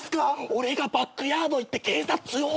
俺がバックヤード行って警察通報すんの！